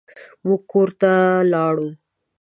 موږ کور ته لاړو.